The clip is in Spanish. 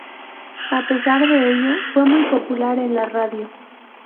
A pesar de ello, fue muy popular en la radio.